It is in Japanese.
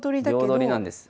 両取りなんです。